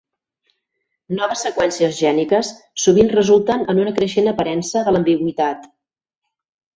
Noves seqüències gèniques sovint resulten en una creixent aparença de l'ambigüitat.